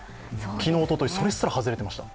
昨日、おととい、それすら外れてました。